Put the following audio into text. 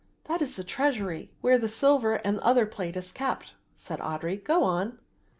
'" "That is the treasury, where the silver and the other plate is kept," said Audry; "go on."